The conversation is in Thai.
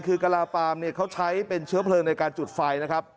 คือกะลาฟาร์มเนี่ยเขาใช้เป็นเชื้อเพลิงในการจุดไฟนะครับ